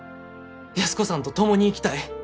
安子さんと共に生きたい。